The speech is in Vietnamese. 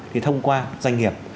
thì thông qua doanh nghiệp